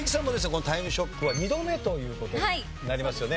この『タイムショック』は２度目という事になりますよね。